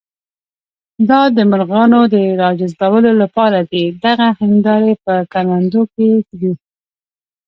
دا د مرغانو د راجذبولو لپاره دي، دغه هندارې په کروندو کې ږدي.